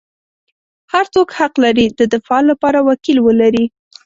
هر څوک حق لري د دفاع لپاره وکیل ولري.